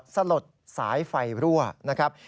สลดสายไฟรั่วนะครับ